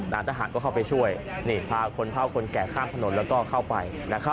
ทหารก็เข้าไปช่วยนี่พาคนเท่าคนแก่ข้ามถนนแล้วก็เข้าไป